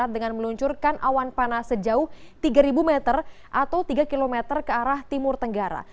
dengan meluncurkan awan panas sejauh tiga meter atau tiga km ke arah timur tenggara